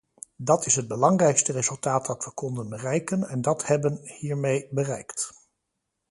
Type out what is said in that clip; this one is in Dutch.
Dat is het belangrijkste resultaat dat we konden bereiken, en dat hebben hiermee bereikt.